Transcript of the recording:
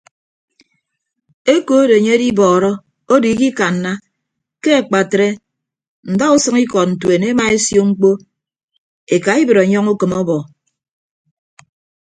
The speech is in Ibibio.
Ekod enye edibọọrọ odo ikikanna ke akpatre ndausʌñ ikọd ntuen emaesio mkpọ ekaibịd ọnyọñ ukịm ọbọ.